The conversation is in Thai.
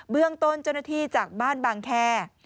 เรื่องต้นเจ้าหน้าที่จากบ้านบางแคร์